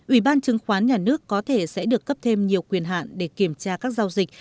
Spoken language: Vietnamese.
ủy ban chứng khoán nhà nước có thể sẽ được cấp thêm nhiều quyền hạn để kiểm tra các giao dịch